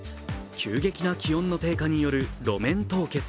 急激な気温の低下による路面凍結。